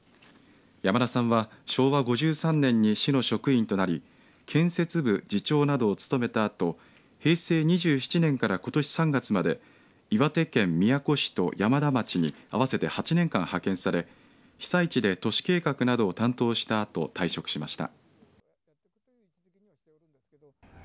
山田さんは昭和５３年に市の職員となり建設部次長などを務めたあと平成２７年からことし３月まで岩手県宮古市と山田町に合わせて８年間派遣され被災地で都市計画などを担当したあと退職しました。